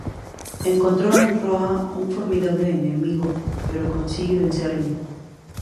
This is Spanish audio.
Encontró en Roa un formidable enemigo, pero consigue vencerle.